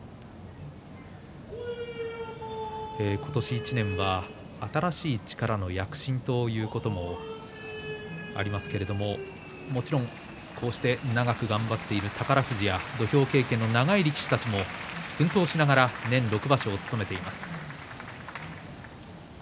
今年１年は新しい力の躍進ということもありますしもちろん、こうして長く頑張っている土俵経験の長い力士も奮闘しながら年６場所、務めています。